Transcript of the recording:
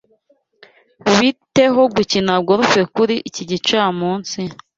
Bite ho gukina golf kuri iki gicamunsi?